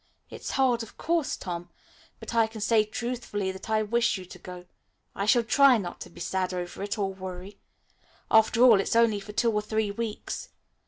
It's hard, of course, Tom, but I can say truthfully that I wish you to go. I shall try not to be sad over it, or worry. After all, it's only for two or three weeks.